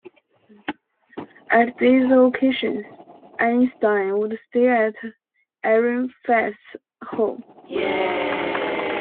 At these occasions Einstein would stay at Ehrenfest's home.